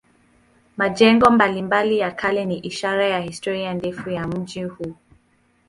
Majengo mbalimbali ya kale ni ishara ya historia ndefu ya mji huu.